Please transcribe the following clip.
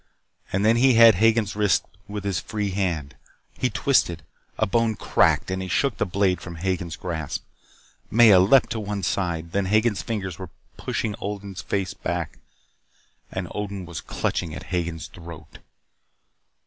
And then he had Hagen's wrist with his free hand. He twisted. A bone cracked and he shook the blade from Hagen's grasp. Maya leaped to one side. Then Hagen's fingers were pushing Odin's face back and Odin was clutching at Hagen's throat.